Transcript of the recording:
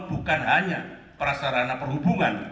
bukan hanya prasarana perhubungan